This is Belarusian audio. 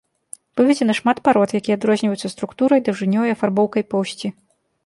Выведзена шмат парод, якія адрозніваюцца структурай, даўжынёй і афарбоўкай поўсці.